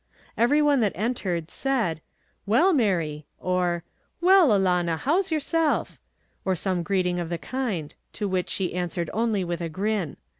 Everyone that entered, said, "Well, Mary," or, "Well, alanna, how's yourself?" or some greeting of the kind, to which she answered only with a grin.